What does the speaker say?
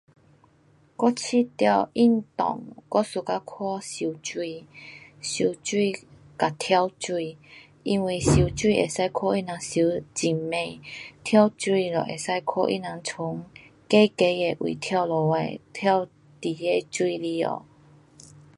我觉得运动我 suka 看游泳。游泳跟跳水。因为游泳可以看他们游很快。跳水就可以看他们从高高的位跳下来，跳进那水里下。